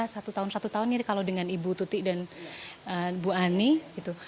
satu tahun satu tahun ini kalau dengan ibu tuti dan bu ani gitu